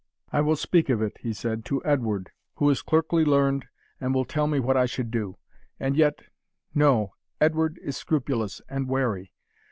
"I will speak of it," he said, "to Edward, who is clerkly learned, and will tell me what I should do. And yet, no Edward is scrupulous and wary.